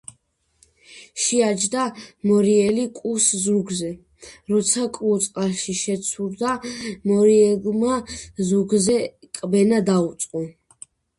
შეაჯდა მორიელი კუს ზურგზე. როცა კუ წყალში შეცურდა, მორიელმა ზურგზე კბენა დაუწყო.